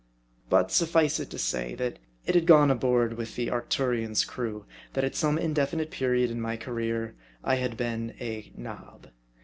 But sufncd it to say, that it had gone abroad among the Arcturion's crew, that at some indefinite period of my ca reer, I had been a " nob."